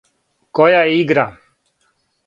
Која је игра?